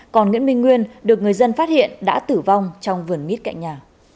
còn nguyễn minh nguyên được người dân phát hiện đã tử vong trong vườn mít cạnh nhà